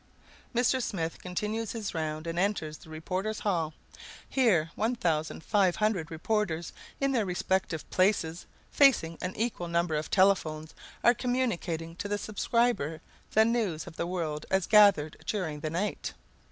Mr. Smith continues his round and enters the reporters' hall. Here 1500 reporters, in their respective places, facing an equal number of telephones, are communicating to the subscribers the news of the world as gathered during the night.